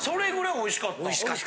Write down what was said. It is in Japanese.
おいしかった。